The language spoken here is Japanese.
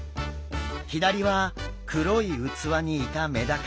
左は黒い器にいたメダカ。